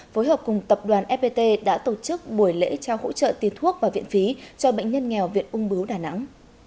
phối hợp cùng tập đoàn fpt đã tổ chức buổi lễ trao hỗ trợ tiền thuốc và viện phí cho bệnh nhân nghèo viện ung bướu đà nẵng